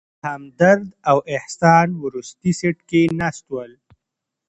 همدرد او احسان وروستي سیټ کې ناست ول.